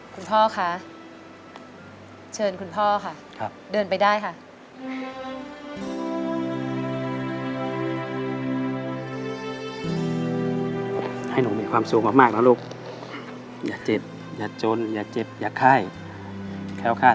คุณพ่อค่ะ